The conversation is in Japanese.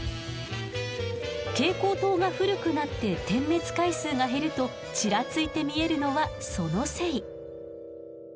蛍光灯が古くなって点滅回数が減るとチラついて見えるのはそのせい。